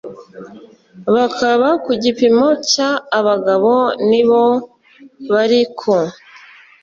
bakaba ku gipimo cya abagabo nibo bari ku